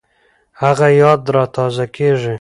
هغه یاد را تازه کېږي